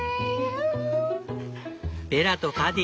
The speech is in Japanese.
ベラとパディ